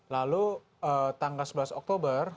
lalu tanggal sebelas oktober